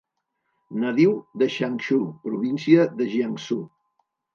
Nadiu de Changshu, província de Jiangsu.